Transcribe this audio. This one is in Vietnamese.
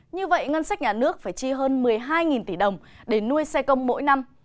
như vậy ngân sách nhà nước phải chi hơn một mươi hai tỷ đồng để nuôi xe công mỗi năm